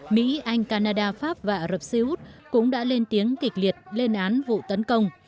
mỹ anh canada pháp và ả rập xê út cũng đã lên tiếng kịch liệt lên án vụ tấn công